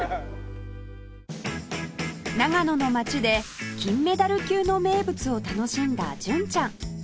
長野の街で金メダル級の名物を楽しんだ純ちゃん